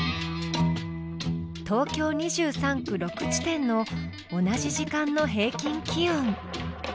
東京２３区６地点の同じ時間の平均気温。